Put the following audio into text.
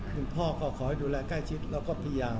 คุณพ่อก็ขอให้ดูแลใกล้ชิดแล้วก็พยายาม